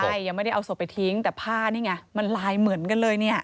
ใช่ยังไม่ได้เอาศพไปทิ้งแต่ผ้านี่ไงมันลายเหมือนกันเลยเนี่ย